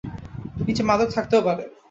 নিচে মাদক থাকতেও পারে!